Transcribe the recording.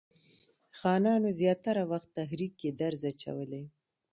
خانانو زیاتره وخت تحریک کې درز اچولی.